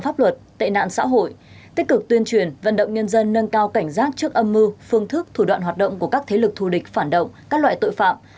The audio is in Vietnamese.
pháp luật tệ nạn xã hội tích cực tuyên truyền vận động nhân dân nâng cao cảnh giác trước âm mưu phương thức thủ đoạn hoạt động của các thế lực thù địch phản động các loại tội phạm